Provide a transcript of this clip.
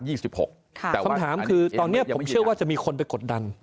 คนที่เป็นยังมีคำถามคือตอนนี้ผมเชื่อจะมีคนไปกดดัน